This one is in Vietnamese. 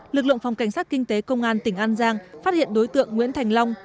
lực lượng phòng cảnh sát kinh tế công an tỉnh an giang phát hiện đối tượng nguyễn thành long